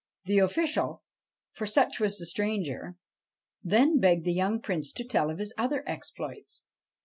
The official for such was the stranger then begged the young Prince to tell of his other exploits.